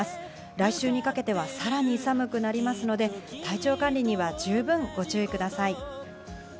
来週にかけては、さらに寒くなりますので、体調管理には十分ご注意ください。